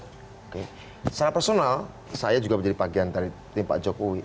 secara personal saya juga menjadi bagian dari tim pak jokowi